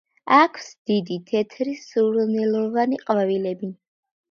აქვს დიდი, თეთრი, სურნელოვანი ყვავილები.